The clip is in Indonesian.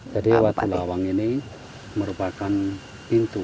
jadi watu lawang ini merupakan pintu